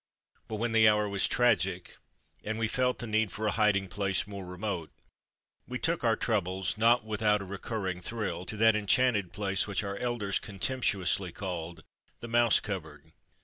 But when the hour was tragic and we felt the need for a hiding place more remote, we took our troubles, not without a recurring thrill, to that enchanted place which our elders contemptuously called the " mouse cupboard."